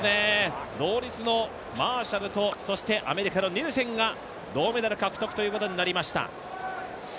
同率のマーシャルとそしてアメリカのニルセンが銅メダル獲得ということになりました。